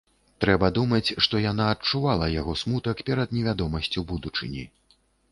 Трэба думаць, што яна адчувала яго смутак перад невядомасцю будучыні.